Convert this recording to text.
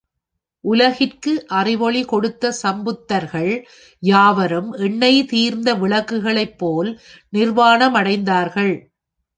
உலகிற்கு அறிவொளி கொடுத்த சம்புத்தர்கள் யாவரும் எண்ணெய் தீர்ந்த விளக்குகளைப்போல் நிர்வாணம் அடைந்தார்கள்.